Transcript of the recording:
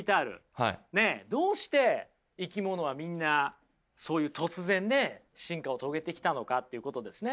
どうして生き物はみんなそういう突然ね進化を遂げてきたのかっていうことですね。